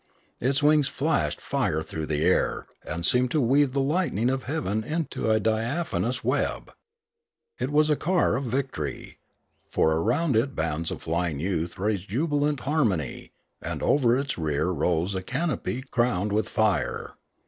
Its wings flashed fire through the air and seemed to weave the lightnings of heaven into a diaphanous web. It was a car of victory; for around it bands of flying youth raised jubilant harmony, and over its rear rose a canopy crowned with fire.